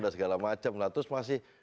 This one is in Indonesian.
dan segala macam lalu terus masih